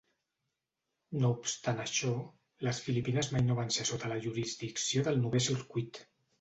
No obstant això, les Filipines mai no van ser sota la jurisdicció del Novè Circuit.